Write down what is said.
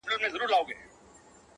بله چي وي راز د زندګۍ لري؛